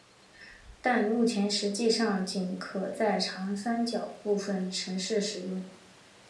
但目前实际上仅可在长三角部分城市使用。